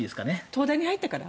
東大に入ったから？